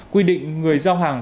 quy định người giao hàng